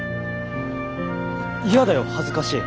嫌だよ恥ずかしい。